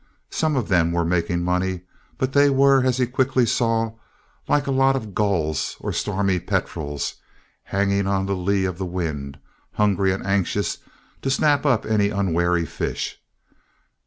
Some of them were making money, but they were, as he quickly saw, like a lot of gulls or stormy petrels, hanging on the lee of the wind, hungry and anxious to snap up any unwary fish.